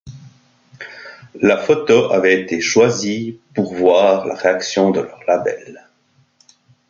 La photo avait été choisie pour voir la réaction de leur label.